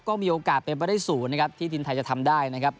ก็มีโอกาสเป็นไปได้ศูนย์นะครับที่ทีมไทยจะทำได้นะครับ